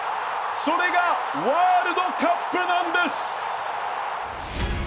それがワールドカップなんです！